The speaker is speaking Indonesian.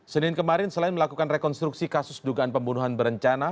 senin kemarin selain melakukan rekonstruksi kasus dugaan pembunuhan berencana